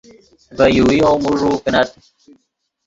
ڤے یوویو موݱوؤ کینت